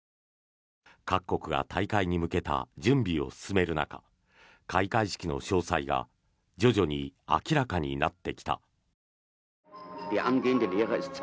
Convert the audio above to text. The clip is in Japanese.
各国が大会に向けた準備を進める中開会式の詳細が徐々に明らかになってきた。